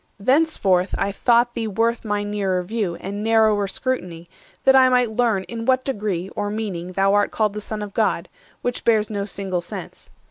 Thenceforth I thought thee worth my nearer view And narrower scrutiny, that I might learn In what degree or meaning thou art called The Son of God, which bears no single sense.